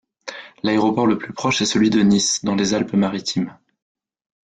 L'aéroport le plus proche est celui de Nice, dans les Alpes-Maritimes.